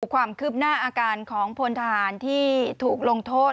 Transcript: ความคืบหน้าอาการของพลทหารที่ถูกลงโทษ